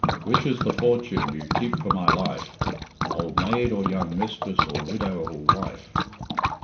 Which is the fortune you keep for my life, Old maid or young mistress or widow or wife?